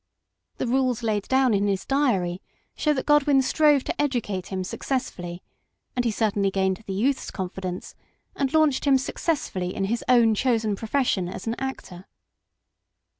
The rules laid down in his diary show that Godwin strove to educate him successfully, and he certainly gained the youth's con fidence, and launched him successfully in his own chosen profession as an actor.